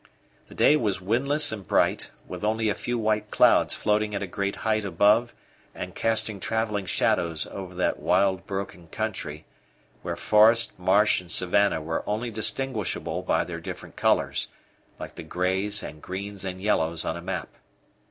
The day was windless and bright, with only a few white clouds floating at a great height above and casting travelling shadows over that wild, broken country, where forest, marsh, and savannah were only distinguishable by their different colours, like the greys and greens and yellows on a map.